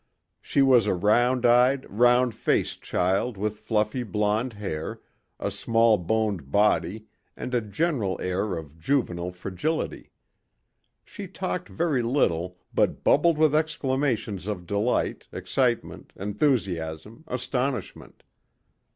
She was a round eyed, round faced child with fluffy blonde hair, a small boned body and a general air of juvenile fragility. She talked very little but bubbled with exclamations of delight, excitement, enthusiasm, astonishment.